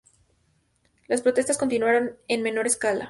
Las protestas continuaron en menor escala.